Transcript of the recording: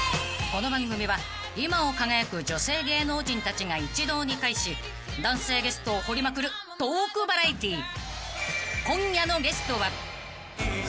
［この番組は今を輝く女性芸能人たちが一堂に会し男性ゲストを掘りまくるトークバラエティー］